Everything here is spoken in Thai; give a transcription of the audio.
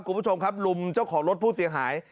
คุณผู้ชมครับลุมเจ้าของรถผู้เสียหาย